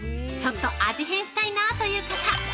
ちょっと味変したいなという方！